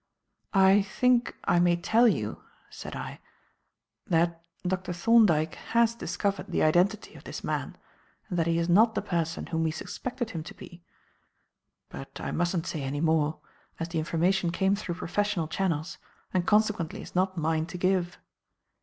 "I think I may tell you," said I, "that Dr. Thorndyke has discovered the identity of this man and that he is not the person whom we suspected him to be. But I mustn't say any more, as the information came through professional channels and consequently is not mine to give."